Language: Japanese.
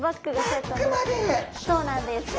そうなんです。